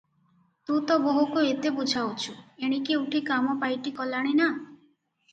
ତୁ ତ ବୋହୂକୁ ଏତେ ବୁଝାଉଛୁ, ଏଣିକି ଉଠି କାମ ପାଇଟି କଲାଣି ନା?"